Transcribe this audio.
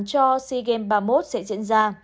cho sea games ba mươi một sẽ diễn ra